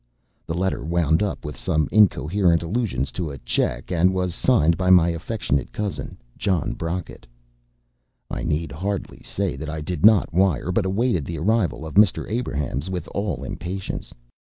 The letter wound up with some incoherent allusions to a cheque, and was signed by my affectionate cousin, John Brocket. I need hardly say that I did not wire, but awaited the arrival of Mr. Abrahams with all impatience.